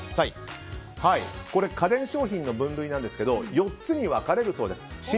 こちら家電商品の分類なんですが４つに分かれるそうです。